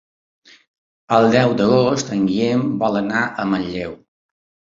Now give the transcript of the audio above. El deu d'agost en Guillem vol anar a Manlleu.